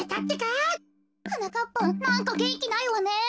はなかっぱんなんかげんきないわね。